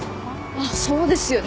あそうですよね。